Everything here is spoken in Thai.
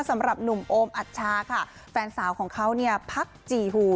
สำหรับหนุ่มโอมอัชชาค่ะแฟนสาวของเขาเนี่ยพักจี่หู